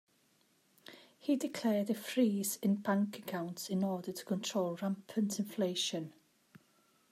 He declared a freeze in bank accounts in order to control rampant inflation.